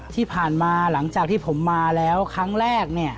ที่ผ่านมาหลังจากที่ผมมาแล้วครั้งแรก